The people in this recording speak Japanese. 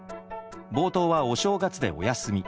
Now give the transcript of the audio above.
冒頭はお正月でお休み。